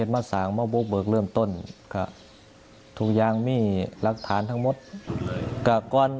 มันเป็นคลิปแล้ว